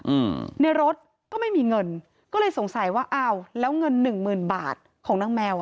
อืมในรถก็ไม่มีเงินก็เลยสงสัยว่าอ้าวแล้วเงินหนึ่งหมื่นบาทของนางแมวอ่ะ